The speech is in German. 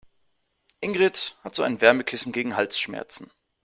Ingrid hat so ein Wärmekissen gegen Halsschmerzen.